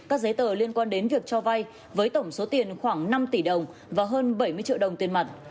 các giấy tờ liên quan đến việc cho vay với tổng số tiền khoảng năm tỷ đồng và hơn bảy mươi triệu đồng tiền mặt